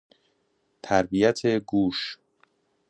تربیت گوش